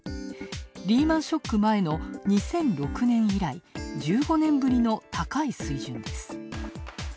リーマン・ショック前の２００６年以来、１５年ぶりの高い水準です。